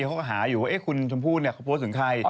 เขาก็หาอยู่ว่าคุณชมพู่เขาโพสต์ถึงใคร